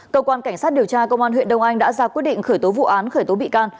cơ quan cảnh sát điều tra công an huyện đông anh đã ra quyết định khởi tố vụ án khởi tố bị can